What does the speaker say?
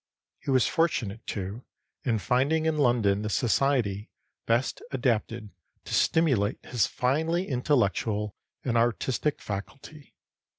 He was fortunate, too, in finding in London the society best adapted to stimulate his finely intellectual and artistic faculty.